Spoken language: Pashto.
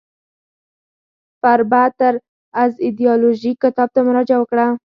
فربه تر از ایدیالوژی کتاب ته مراجعه وکړئ.